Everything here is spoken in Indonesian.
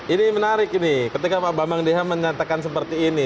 ini menarik ini ketika pak bambang deha menyatakan seperti ini